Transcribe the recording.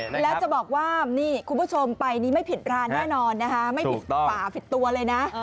แล้วจะบอกว่านี่คุณผู้ชมไปนี่ไม่ผิดร้านแน่นอนนะคะไม่ผิดฝ่าผิดตัวเลยนะ